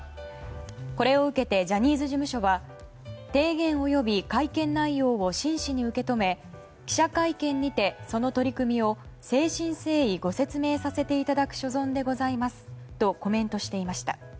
これを受けてジャニーズ事務所は提言および会見内容を真摯に受け止め記者会見にてその取り組みを誠心誠意ご説明させていただく所存でございますとコメントしていました。